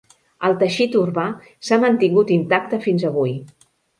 El teixit urbà s'ha mantingut intacte fins avui.